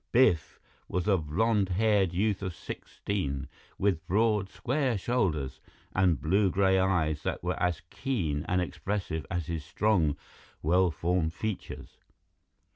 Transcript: Biff was a blond haired youth of sixteen, with broad, square shoulders and blue gray eyes that were as keen and expressive as his strong, well formed features.